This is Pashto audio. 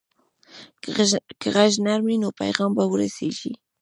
که غږ نرم وي، نو پیغام به ورسیږي.